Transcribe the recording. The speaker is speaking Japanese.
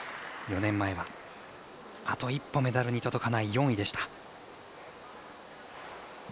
４年前はあと一歩メダルに届かない４位でした。